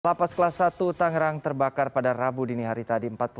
lapas kelas satu tangerang terbakar pada rabu dini hari tadi